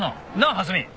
蓮見。